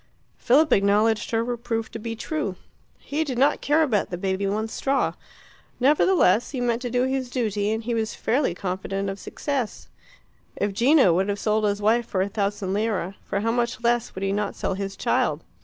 Philip acknowledged her reproof to be true. He did not care about the baby one straw. Nevertheless, he meant to do his duty, and he was fairly confident of success. If Gino would have sold his wife for a thousand lire, for how much less would he not sell his child?